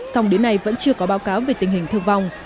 song đến nay vẫn chưa có báo cáo về tình hình thương vong